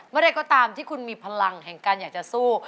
อะไรก็ตามที่คุณมีพลังแห่งการอยากจะสู้